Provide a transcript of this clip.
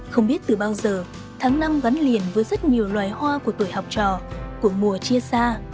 không biết từ bao giờ tháng năm gắn liền với rất nhiều loài hoa của tuổi học trò của mùa chia xa